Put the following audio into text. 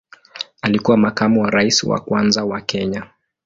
Alikuwa makamu wa rais wa kwanza wa Kenya.